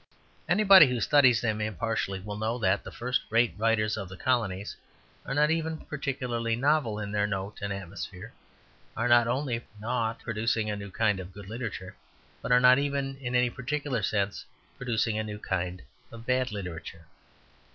Anybody who studies them impartially will know that the first rate writers of the colonies are not even particularly novel in their note and atmosphere, are not only not producing a new kind of good literature, but are not even in any particular sense producing a new kind of bad literature.